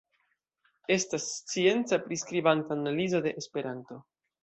Estas scienca, priskribanta analizo de Esperanto.